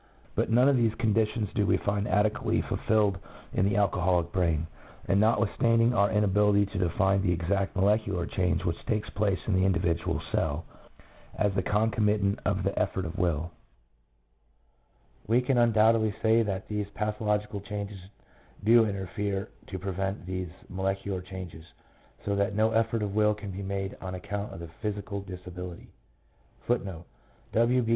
But none of these condi tions do we find adequately fulfilled in the alcoholic brain, and notwithstanding our inability to define the exact molecular change which takes place in the individual cell as the concomitant of the effort of will, we can undoubtedly say that these patho logical changes do interfere to prevent these mole cular changes, so that no effort of will can be made on account of the physical disability. 1 1 W. B.